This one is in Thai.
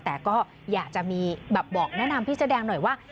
แต่ก็อยากจะบอกแนะนำพี่เสื้อแดงหน่อยว่า